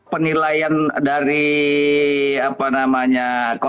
penilaian dari apa namanya